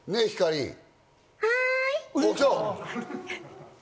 はい！